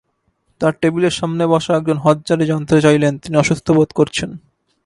তাঁর টেবিলের সামনে বসা একজন হজযাত্রী জানতে চাইলেন, তিনি অসুস্থ বোধ করছেন।